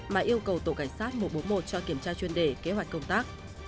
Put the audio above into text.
mà yêu cầu tổ cảnh sát một trăm bốn mươi một cho kiểm tra chuyên đề kế hoạch công tác